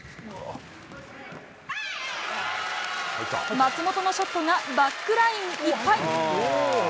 松本のショットがバックラインいっぱい。